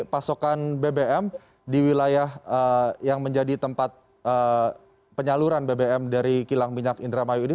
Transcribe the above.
pasokan bbm di wilayah yang menjadi tempat penyaluran bbm dari kilang minyak indramayu ini